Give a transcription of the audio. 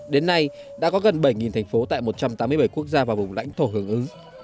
đến nay đã có gần bảy thành phố tại một trăm tám mươi bảy quốc gia và vùng lãnh thổ hưởng ứng